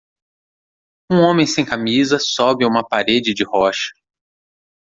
Um homem sem camisa sobe uma parede de rocha